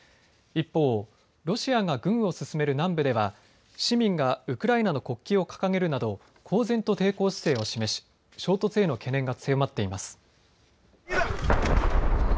一方ロシアが軍を進める南部では市民がウクライナの国旗を掲げるなど公然と抵抗姿勢を示し衝突への懸念が強まっています。